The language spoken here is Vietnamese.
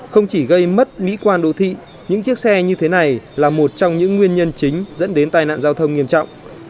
không chỉ gây mất mỹ quan đô thị những chiếc xe như thế này là một trong những nguyên nhân chính dẫn đến tai nạn giao thông nghiêm trọng